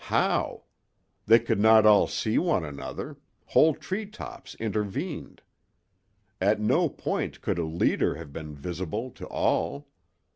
How? They could not all see one another—whole tree tops intervened. At no point could a leader have been visible to all.